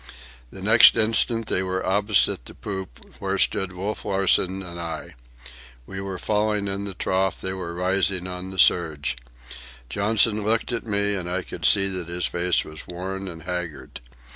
The next instant they were opposite the poop, where stood Wolf Larsen and I. We were falling in the trough, they were rising on the surge. Johnson looked at me, and I could see that his face was worn and haggard.